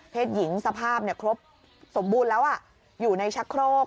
หญิงสภาพครบสมบูรณ์แล้วอยู่ในชักโครก